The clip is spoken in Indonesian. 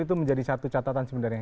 itu menjadi satu catatan sebenarnya